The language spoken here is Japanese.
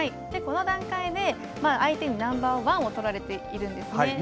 この段階で相手にナンバーワンをとられているんですね。